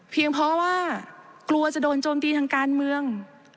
เพราะว่ากลัวจะโดนโจมตีทางการเมือง